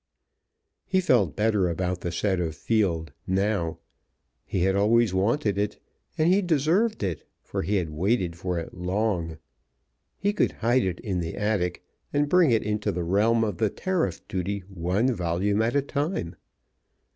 He felt better about the set of Field now. He had always wanted it, and he deserved it, for he had waited for it long. He could hide it in the attic and bring it into the realm of the tariff duty one volume at a time.